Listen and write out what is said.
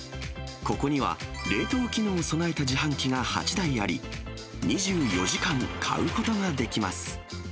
ここには冷凍機能を備えた自販機が８台あり、２４時間、買うことができます。